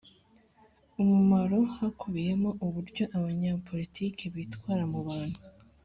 Umumaro hakubiyemo uburyo abanyapolitiki bitwara mubantu